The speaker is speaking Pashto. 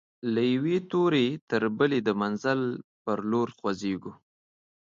له یوې توري تر بلي د منزل پر لور خوځيږو